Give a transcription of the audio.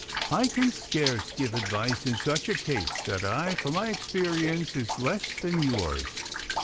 'I can scarce give advice in such a case,' said I, 'for my experience is less than yours.